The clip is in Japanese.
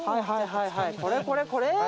はいはい、これこれ。